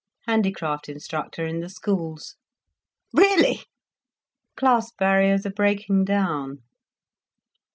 "Handicraft instructor in the schools." "Really!" "Class barriers are breaking down!"